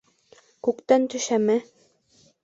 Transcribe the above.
- Күктән төшәме?